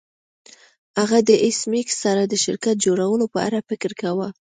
هغه د ایس میکس سره د شرکت جوړولو په اړه فکر کاوه